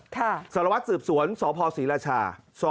สารวัตรสืบสวนสพศรีราชา